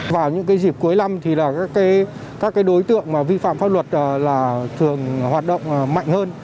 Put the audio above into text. vào những dịp cuối năm các đối tượng vi phạm pháp luật thường hoạt động mạnh hơn